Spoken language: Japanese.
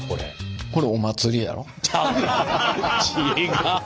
違う！